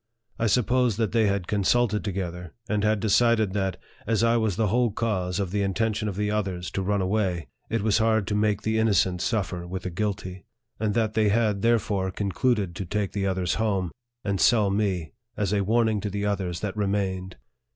I supposed that they had consulted together, and had decided that, as I was the whole cause of the in tention of the others to run away, it was hard to make the innocent suffer with the guilty ; and that LIFE OF FREDERICK DOUGLASS. 93 they had, therefore, concluded to take the others home, and sell me, as a warning to the others that remained.